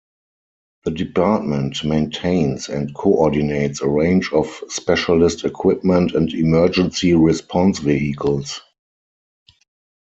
The Department maintains and coordinates a range of specialist equipment and emergency response vehicles.